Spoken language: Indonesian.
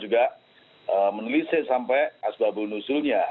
kita menelisih sampai asbab dan usulnya